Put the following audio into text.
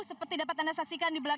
seperti dapat anda saksikan di belakang